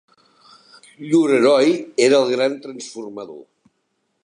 Llur heroi era el Gran Transformador.